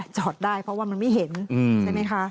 จอดได้เพราะว่ามันไม่เห็นใช่ไหมคะ